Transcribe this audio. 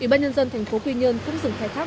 ủy ban nhân dân tp quy nhơn cũng dừng khai thác